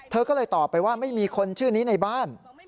เธอก็เลยตอบไปว่าไม่มีคนชื่อนี้ในบ้าน